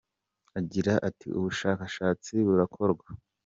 Agira ati “Ubushakashatsi burakorwa